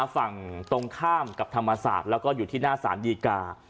ฝั่งตรงข้ามกับธรรมศาสตร์แล้วก็อยู่ที่หน้าสารดีกา